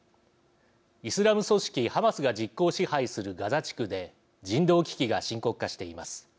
イスラム組織ハマスが実効支配するガザ地区で人道危機が深刻化しています。